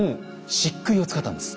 しっくいを使ったんです。